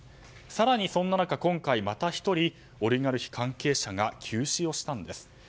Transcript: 更に、そんな中、今回また１人オリガルヒ関係者が急死をしたんです。